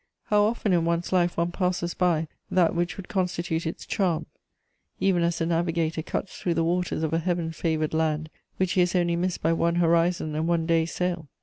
How often in one's life one passes by that which would constitute its charm, even as the navigator cuts through the waters of a heaven favoured land which he has only missed by one horizon and one day's sail!